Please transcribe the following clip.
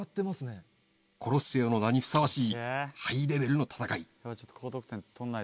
コロッセオの名にふさわしい、ハイレベルの戦い。